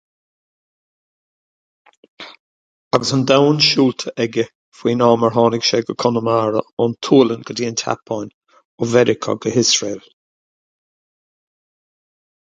Agus an domhan siúlta aige faoin am ar tháinig sé go Conamara, ón tSualainn go dtí an tSeapáin, ó Mheiriceá go hIosrael.